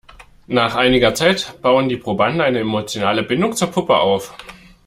Nach einiger Zeit bauen die Probanden eine emotionale Bindung zur Puppe auf.